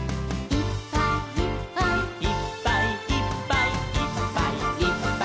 「いっぱいいっぱいいっぱいいっぱい」